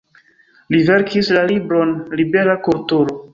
Li verkis la libron "Libera kulturo".